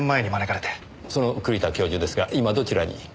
その栗田教授ですが今どちらに？